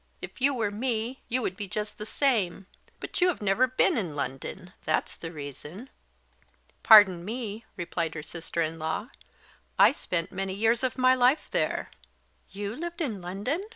If you were me, you would be just the same; but you have never been in London that's the reason." "Pardon me," replied her sister in law, "I spent many years of my life there." "You lived in London!"